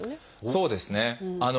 そうですね。